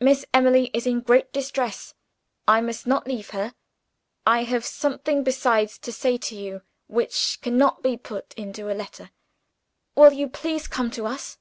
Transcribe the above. "Miss Emily is in great distress. I must not leave her. I have something besides to say to you which cannot be put into a letter. Will you please come to us?"